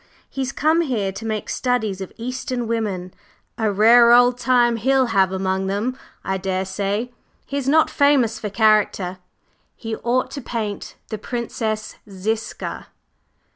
"He's come here to make studies of Eastern women. A rare old time he'll have among them, I daresay! He's not famous for character. He ought to paint the Princess Ziska."